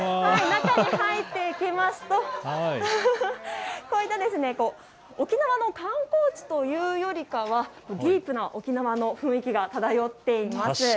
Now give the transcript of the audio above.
中に入っていきますとこういった沖縄の観光地というよりかはディープな沖縄の雰囲気が漂っています。